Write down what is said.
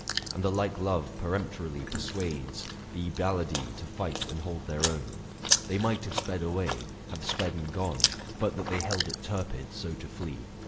And the like love peremptorily persuades 805 Th' (Ebalidse to fight and hold their own. They might have sped away, have sped and gone, But that they held it turpid so to flee.